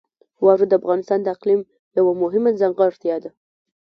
واوره د افغانستان د اقلیم یوه مهمه ځانګړتیا ده.